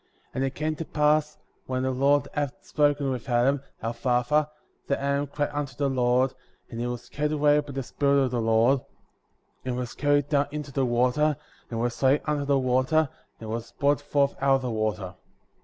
And it came to pass, when the Lord had spoken with Adam, our father, that Adam cried unto the Lord,* and he was caught away by the Spirit of the Lord,* and was carried down into the water, and was laid under the water, and was brought forth out of the water.